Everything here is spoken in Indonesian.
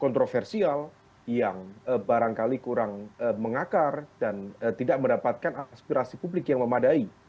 kontroversial yang barangkali kurang mengakar dan tidak mendapatkan aspirasi publik yang memadai